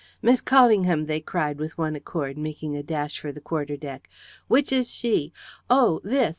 "Miss Callingham!" they cried with one accord, making a dash for the quarter deck. "Which is she? Oh, this!